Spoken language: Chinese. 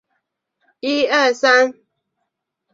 铁柱表面铁锈腐蚀很少。